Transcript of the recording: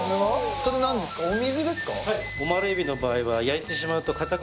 それ何ですか？